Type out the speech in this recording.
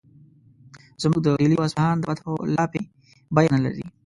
زموږ د ډیلي او اصفهان د فتحو لاپې بیه نه لري.